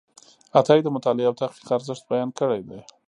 عطایي د مطالعې او تحقیق ارزښت بیان کړی دی.